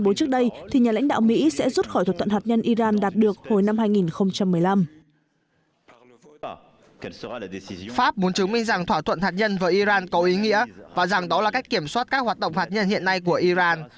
pháp muốn chứng minh rằng thỏa thuận hạt nhân với iran có ý nghĩa và rằng đó là cách kiểm soát các hoạt động hạt nhân hiện nay của iran